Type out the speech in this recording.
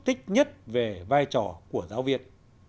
tích nhất về vai trò của giáo viên